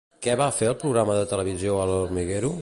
Què va fer al programa de televisió El Hormiguero?